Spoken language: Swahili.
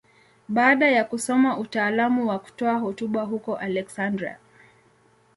Baada ya kusoma utaalamu wa kutoa hotuba huko Aleksandria.